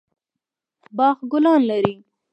باغ ګلان لري